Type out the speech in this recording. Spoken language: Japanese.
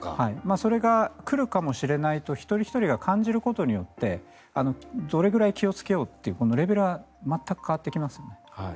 それが来るかもしれないと一人ひとりが感じることによってどれぐらい気をつけようというこのレベルは全く変わってきますよね。